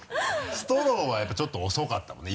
ストローはやっぱちょっと遅かったもんね